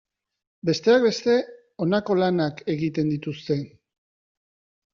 Besteak beste, honako lanak egiten dituzte.